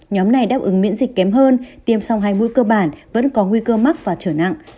nhóm này đáp ứng miễn dịch kém hơn tiêm song hai mũi cơ bản vẫn có nguy cơ mắc và trở nặng